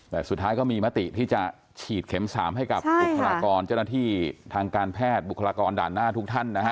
แต่สุดท้ายก็มีมติที่จะฉีดเข็ม๓ให้กับบุคลากรเจ้าหน้าที่ทางการแพทย์บุคลากรด่านหน้าทุกท่านนะฮะ